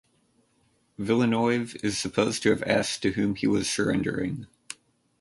Villeneuve is supposed to have asked to whom he was surrendering.